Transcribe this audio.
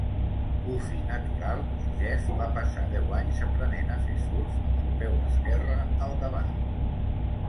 Gufi natural, Jeff va passar deu anys aprenent a fer surf amb el peu esquerre al davant.